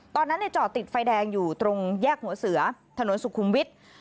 ตอนนั้นจอดติดไฟแดงอยู่ตรงแยกหัวเสือถนนสุขุมวิทย์